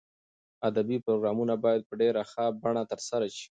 ادبي پروګرامونه باید په ډېر ښه بڼه ترسره شي.